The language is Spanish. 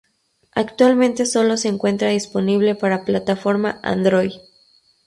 Actualmente solo se encuentra disponible para plataforma Android.